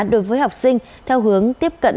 đối với học sinh theo hướng tiếp cận